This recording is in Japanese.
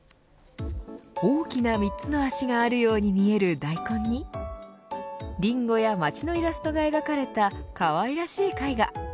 大きな３つの足があるように見える大根にリンゴや街のイラストが描かれたかわいらしい絵画。